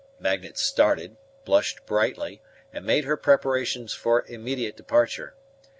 Magnet started, blushed brightly, and made her preparations for immediate departure.